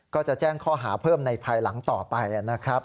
ก็จะแจ้งข้อหาเพิ่มในภายหลังต่อไปนะครับ